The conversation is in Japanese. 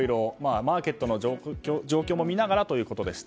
マーケットの状況も見ながらということでした。